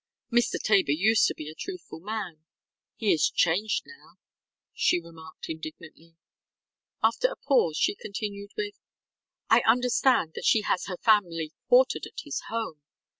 ŌĆ£Mr. Tabor used to be a truthful man. He is changed now, ŌĆØ she remarked indignantly. After a pause, she continued with: ŌĆ£I understand that she has her family quartered at his home.